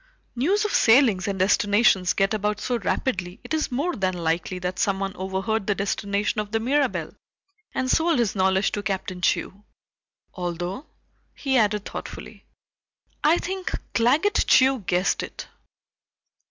"News of sailings and destinations get about so rapidly, it is more than likely that someone overheard the destination of the Mirabelle, and sold his knowledge to Captain Chew. Although," he added thoughtfully, "I think Claggett Chew guessed it.